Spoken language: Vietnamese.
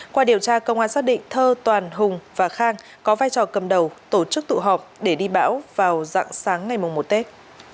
qua điều tra công an xác định thơ toàn hùng và khang có vai trò cầm đầu tổ chức tụ họp để đi bão vào dạng sáng ngày một tết